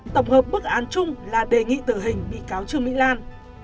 tổng hợp bức án chung là đề nghị tử hình bị cáo trương mỹ lan